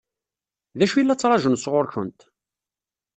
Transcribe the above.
D acu i la ttṛaǧun sɣur-kent?